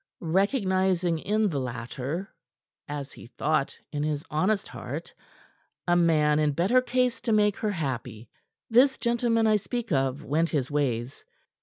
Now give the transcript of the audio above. Recognizing in the latter as he thought in his honest heart a man in better case to make her happy, this gentleman I speak of went his ways.